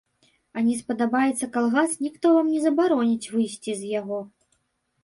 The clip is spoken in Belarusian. А не спадабаецца калгас, ніхто вам не забароніць выйсці з яго.